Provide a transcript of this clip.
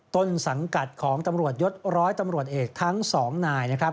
ต้นสังกัดของตำรวจยศร้อยตำรวจเอกทั้งสองนายนะครับ